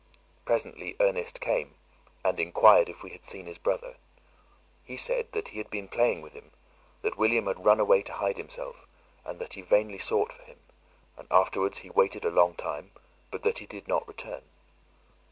Presently Ernest came, and enquired if we had seen his brother; he said, that he had been playing with him, that William had run away to hide himself, and that he vainly sought for him, and afterwards waited for a long time, but that he did not return.